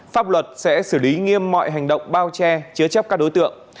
pháp luật sẽ xử lý nghiêm mọi hành động bao che chứa chấp các đối tượng